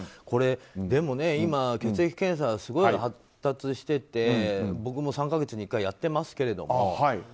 これ、今血液検査すごい発達してて僕も３か月に１回やってますけど。